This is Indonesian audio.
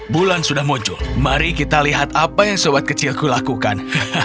bulan sudah muncul mari kita lihat apa yang sobat kecilku lakukan